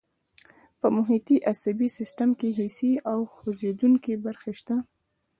په محیطي عصبي سیستم کې حسي او خوځېدونکي برخې شته.